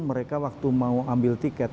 mereka waktu mau ambil tiket